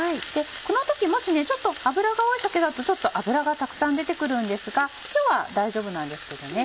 この時もし脂が多い鮭だと油がたくさん出て来るんですが今日は大丈夫なんですけどね。